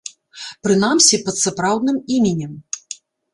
Прынамсі, пад сапраўдным іменем.